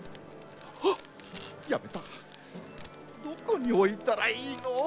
どこにおいたらいいの？